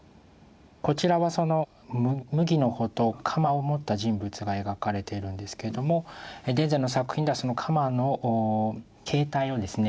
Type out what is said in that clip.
こちらはその麦の穂と鎌を持った人物が描かれているんですけれども田善の作品ではその鎌の形態をですね